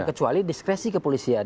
kecuali diskresi kepolisian